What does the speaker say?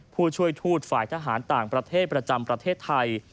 ผู้ช่วยทูตฝ่ายทหารต่างประเทศประจำประเทศไทย